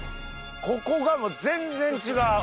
ここがもう全然違う。